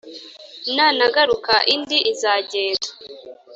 nanagaruka indi izagenda